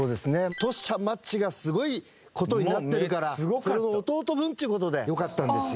トシちゃんマッチがすごい事になってるからその弟分っていう事でよかったんですよ。